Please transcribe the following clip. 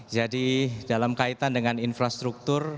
jadi dalam kaitan dengan infrastruktur